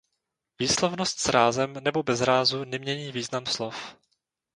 Výslovnost s rázem nebo bez rázu nemění význam slov.